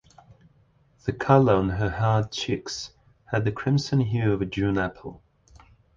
The color on her hard cheeks had the crimson hue of a June apple.